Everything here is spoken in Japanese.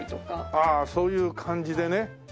ああそういう感じでね。